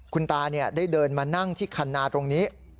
คุณตาได้เดินมานั่งที่คันนาตรงนี้